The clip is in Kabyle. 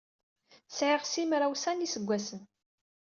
Sɛiɣ simraw-sa n yiseggasen.